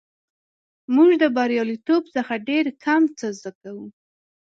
موږ د بریالیتوب څخه ډېر کم څه زده کوو.